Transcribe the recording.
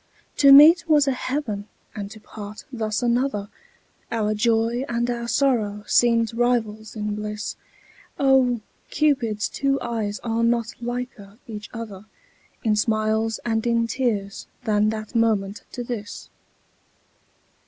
To meet was a heaven and to part thus another, Our joy and our sorrow seemed rivals in bliss; Oh! Cupid's two eyes are not liker each other In smiles and in tears than that moment to this.